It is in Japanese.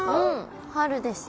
春ですね。